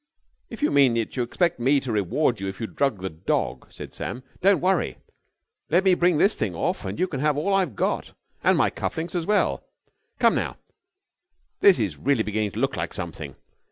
"If you mean that you expect me to reward you if you drug the dog," said Sam, "don't worry. Let me bring this thing off, and you can have all I've got, and my cuff links as well. Come, now, this is really beginning to look like something.